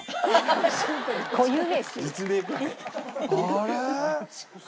あれ？